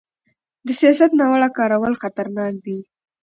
د سیاست ناوړه کارول خطرناک دي